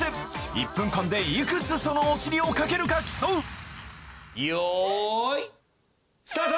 １分間でいくつそのおしりを描けるか競うよいスタート！